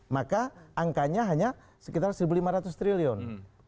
maka angkanya hanya sekitar satu lima ratus triliun